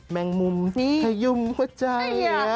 แมงมุมขยุ่มหัวใจ